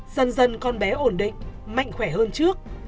dần dần con bé ổn định mạnh khỏe hơn trước